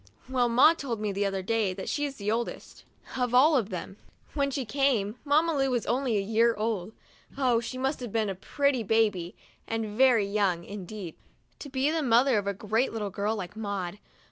Well, Maud told me the other day that she is the oldest 41 THE DIARY OF A BIRTHDAY DOLL of them all. When she came, Mamma Lu was only a year old. Oh, she must have been a pretty baby, and very young, indeed, to be the mother of a great girl like Maud!